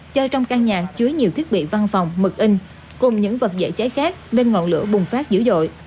do trong căn nhà chứa nhiều thiết bị văn phòng mực in cùng những vật dễ cháy khác nên ngọn lửa bùng phát dữ dội